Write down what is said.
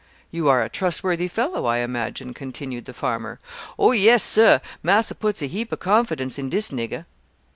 "You are a trustworthy fellow, I imagine," continued the farmer. "Oh yes, sir; marser puts a heap of confidence in dis nigger."